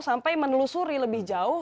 sampai menelusuri lebih jauh